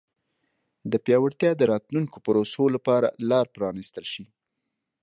د پیاوړتیا د راتلونکو پروسو لپاره لار پرانیستل شي.